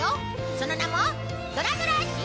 その名も。